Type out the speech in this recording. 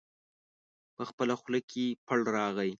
په خپله خوله کې پړ راغی.